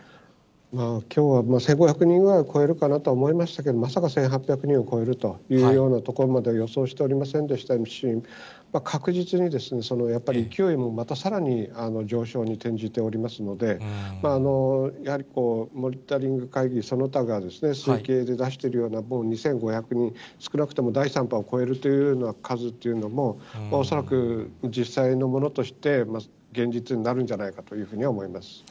きょうは、１５００人ぐらい超えるかなとは思いましたけども、まさか１８００人を超えるというようなところまでは予想しておりませんでしたし、確実に、やっぱり勢いもまたさらに上昇に転じておりますので、やはりモニタリング会議その他が推計で出しているようなもう２５００人、少なくとも第３波を超えるというような数というのも、恐らく実際のものとして、現実になるんじゃないかというふうに思います。